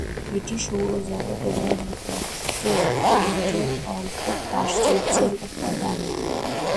এটি সৌর জগতের এবং ভূত্বকের একটি অল্প প্রাচুর্যের উপাদান।